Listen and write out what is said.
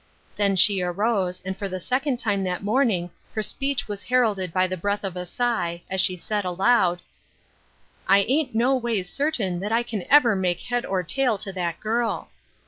Then she arose, and for the second time that morning her speech was her alded by the breath of a sigh, as she said aloud ." I ain't no ways C9rtain that I can ever make head or tail to that girl."